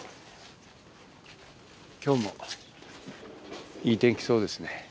今日もいい天気そうですね。